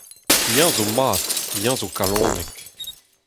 Eñ zo mat, eñ zo kalonek.